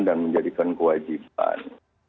dan menjadikan kewajiban